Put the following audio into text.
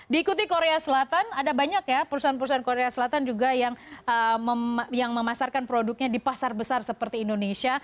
diikuti korea selatan ada banyak ya perusahaan perusahaan korea selatan juga yang memasarkan produknya di pasar besar seperti indonesia